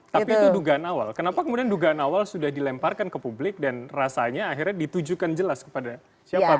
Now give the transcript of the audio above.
tapi itu dugaan awal kenapa kemudian dugaan awal sudah dilemparkan ke publik dan rasanya akhirnya ditujukan jelas kepada siapapun